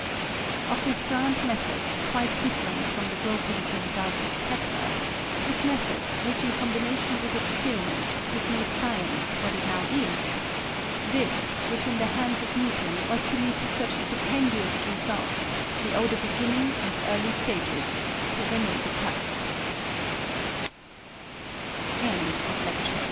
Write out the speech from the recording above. Of this grand method, quite different from the gropings in the dark of Kepler this method, which, in combination with experiment, has made science what it now is this which in the hands of Newton was to lead to such stupendous results, we owe the beginning and early stages to René Descartes. SUMMARY OF FACTS FOR LECTURE